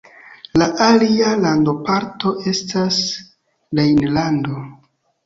La alia landoparto estas Rejnlando.